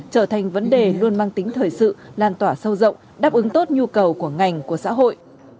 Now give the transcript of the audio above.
trở thành vấn đề luôn mang tính thời sự lan tỏa sâu rộng đáp ứng tốt nhu cầu của ngành của xã hội